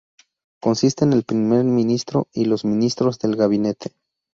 Consiste en el primer ministro y los ministros del gabinete.